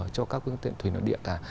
cho các phương tiện thủy nối điện cả